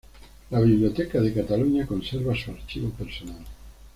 La "Biblioteca de Catalunya" conserva su archivo personal.